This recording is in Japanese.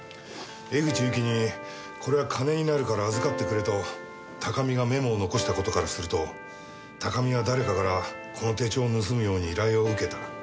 江口ゆきにこれは金になるから預かってくれと高見がメモを残した事からすると高見は誰かからこの手帳を盗むように依頼を受けた。